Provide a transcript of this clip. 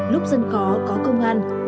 lúc dân có có công an